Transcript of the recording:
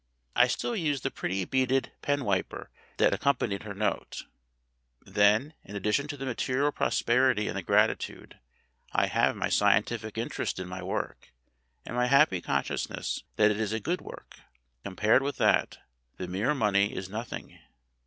I still use the pretty beaded pen wiper that accompanied her note. Then, in addition to the material prosperity and the gratitude, I have my scientific interest in my work and my happy con sciousness that it is a good work. Compared with that, the mere money is nothing.